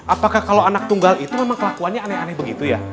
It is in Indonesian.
apakah kalau anak tunggal itu memang kelakuannya aneh aneh begitu ya